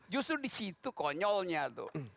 justru disitu konyolnya tuh